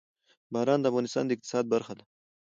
باران د افغانستان د اقتصاد برخه ده.